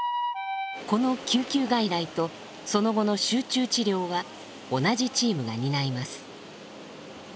この救急外来とその後の集中治療は同じチームが担います。